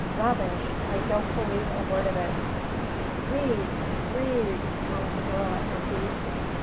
Rubbish! I don't believe a word of it." "Read! Read!" moaned the girl at her feet.